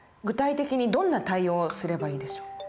具体的にどんな対応をすればいいでしょう？